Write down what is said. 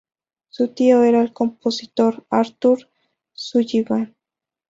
Su tío era el compositor Arthur Sullivan.